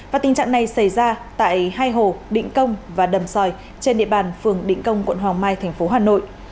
và tình trạng này xảy ra tại hai hồ định công và đầm sòi trên địa bàn phường định công quận hoàng mai thành phố hà nội